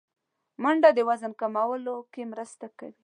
منډه د وزن کمولو کې مرسته کوي